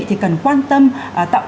thì cần quan tâm tạo